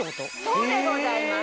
そうでございます。